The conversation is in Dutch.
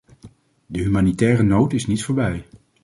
De humanitaire nood is niet voorbij.